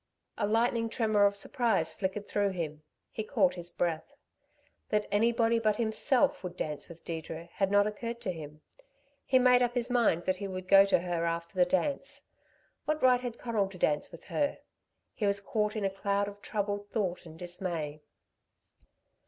A lightning tremor of surprise flickered through him; he caught his breath. That anybody but himself would dance with Deirdre had not occurred to him. He made up his mind that he would go to her after the dance. What right had Conal to dance with her? He was caught in a cloud of troubled thought and dismay.